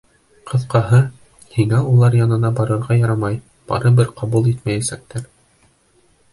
Ҡыҫҡаһы, һиңә улар янына барырға ярамай, барыбер ҡабул итмәйәсәктәр.